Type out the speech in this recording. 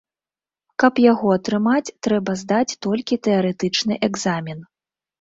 Каб яго атрымаць, трэба здаць толькі тэарэтычны экзамен.